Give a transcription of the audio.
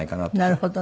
なるほどね。